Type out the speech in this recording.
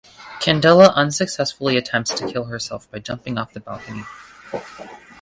Candela unsuccessfully attempts to kill herself by jumping off the balcony.